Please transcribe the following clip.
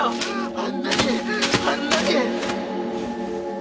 あんなにあんなに！